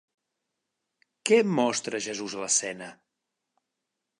Què mostra Jesús a l'escena?